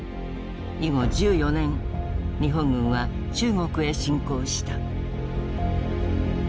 以後１４年日本軍は中国へ侵攻した。